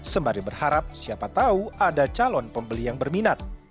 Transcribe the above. sembari berharap siapa tahu ada calon pembeli yang berminat